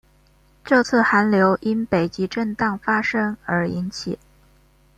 这次寒流因北极震荡发生而引起。